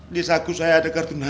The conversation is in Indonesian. di saku saya ada kartu nama